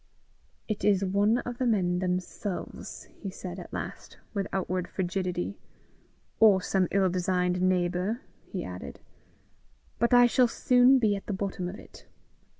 "It is one of the men themselves," he said at last, with outward frigidity. "Or some ill designed neighbour," he added. "But I shall soon be at the bottom of it.